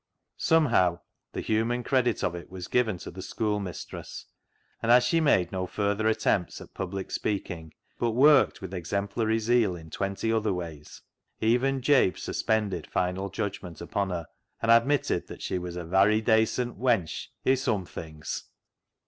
Somehow the human credit of it was given to the schoolmistress, and as she made no further attempts at public speaking, but worked with exemplary zeal in twenty other ways, even Jabe suspended final judgment upon her, and admitted that she was a " varry dacent wench — i' sum tilings!